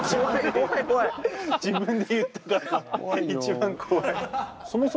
自分で言ったら一番怖い。